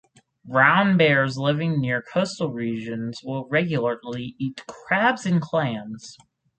Brown bears living near coastal regions will regularly eat crabs and clams.